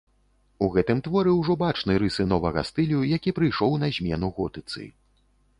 У гэтым творы ўжо бачны рысы новага стылю, які прыйшоў на змену готыцы.